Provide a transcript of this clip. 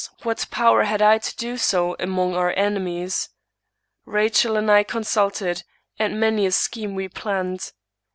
what power had I to do so among our enemies ? Rachael and I consulted ; and many a scheme we planned.